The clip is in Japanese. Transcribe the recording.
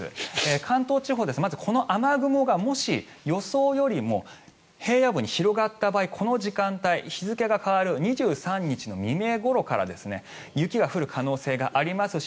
関東地方、まずこの雨雲がもし予想よりも平野部に広がった場合、この時間帯日付が変わる２３日の未明ごろから雪が降る可能性がありますし